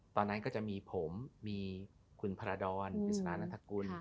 ตอนนั้นก็จะมีผมมีคุณพรดรอิสระนัทกุล